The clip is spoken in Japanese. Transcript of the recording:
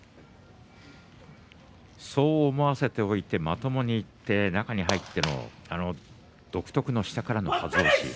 そう思わせておいてまともにいって中に入っての独特の下からのはず押し。